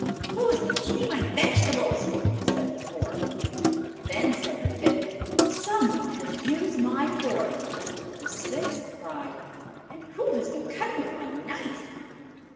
"Who has been eating my vegetables?" said the fourth. Then said the fifth, "Some one has used my fork." The sixth cried, "And who has been cutting with my knife?"